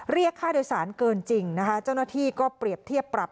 เรียกค่าโดยสารเกินจริงนะคะเจ้าหน้าที่ก็เปรียบเทียบปรับ